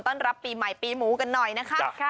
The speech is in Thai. รับปีใหม่ปีหมูกันหน่อยนะคะ